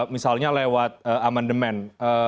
misalnya lewat amendement